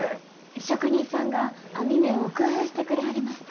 職人さんが網目を工夫してくれはりました。